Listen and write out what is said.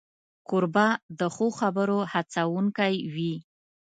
کوربه د ښو خبرو هڅونکی وي.